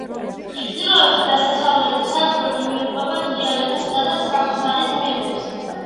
ჩრდილოეთი და დასავლეთი საზღვრები მიუყვება თრიალეთისა და სამსარის ქედებს.